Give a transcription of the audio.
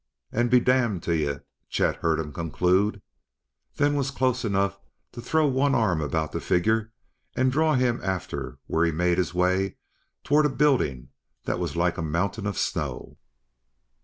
" and be damned to ye!" Chet heard him conclude; then was close enough to throw one arm about the figure and draw him after where he made his way toward a building that was like a mountain of snow.